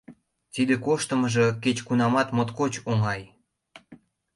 Тиде коштмыжо кеч-кунамат моткоч оҥай.